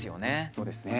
そうですね。